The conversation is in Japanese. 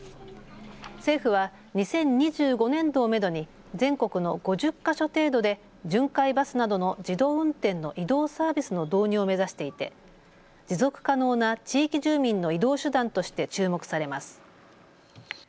政府は２０２５年度をめどに全国の５０か所程度で巡回バスなどの自動運転の移動サービスの導入を目指していて持続可能な地域住民の移動手段として注目されます。